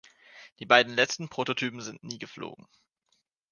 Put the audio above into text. Die beiden letzten Prototypen sind nie geflogen.